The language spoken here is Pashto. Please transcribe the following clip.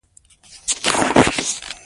آیا د مایکروبونو کمښت د اوټیزم سبب کیږي؟